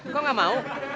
kok gak mau